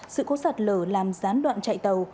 sự cố sạt lở làm gián đoạn chạy tàu